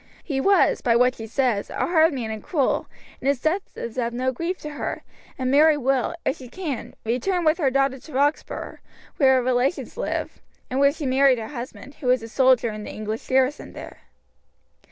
He was, by what she says, a hard man and cruel, and his death is no grief to her, and Mary will, if she can, return with her daughter to Roxburgh, where her relations live, and where she married her husband, who was a soldier in the English garrison there."